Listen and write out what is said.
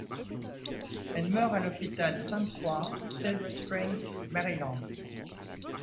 Elle meurt à l'hôpital Sainte-Croix, Silver Spring, Maryland.